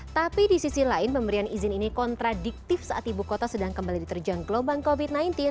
tapi di sisi lain pemberian izin ini kontradiktif saat ibu kota sedang kembali diterjang gelombang covid sembilan belas